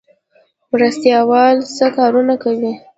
مرستیال والي څه کارونه کوي؟